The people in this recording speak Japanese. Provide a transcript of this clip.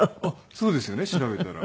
そうですよね調べたら。